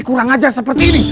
kurang ajar seperti ini